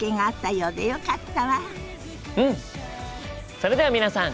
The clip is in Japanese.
それでは皆さん